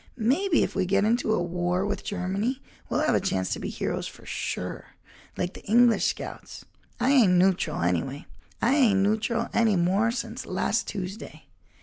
"Maybe if we get into a war with Germany we'll have a chance to be heroes, for sure—like the English scouts. I ain't neutral, anyway. I ain't neutral any more since last Tuesday."